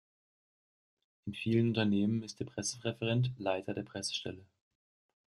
In vielen Unternehmen ist der Pressereferent Leiter der Pressestelle.